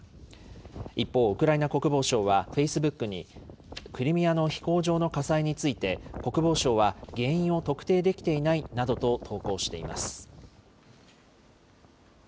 一方、ウクライナ国防省はフェイスブックに、クリミアの飛行場の火災について、国防省は原因を特定できていないなどと投稿しています。